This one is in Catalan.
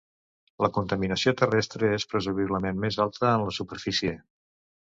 La contaminació terrestre és presumiblement més alta en la superfície.